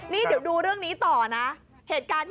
นี่เดี๋ยวดูเรื่องนี้ต่อนะ